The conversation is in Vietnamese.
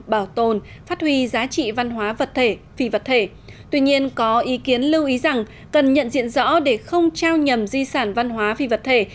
bảo tồn phát huy giá trị văn hóa vật thể phi vật thể tuy nhiên có ý kiến lưu ý rằng cần nhận diện rõ để không trao nhầm di sản văn hóa phi vật thể